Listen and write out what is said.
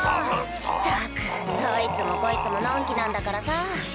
ったくどいつもこいつものんきなんだからさ。